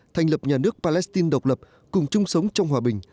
thành lập nhà nước palestine độc lập cùng chung sống trong hòa bình